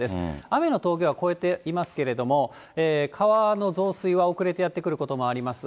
雨の峠は越えていますけれども、川の増水は遅れてやって来ることもあります。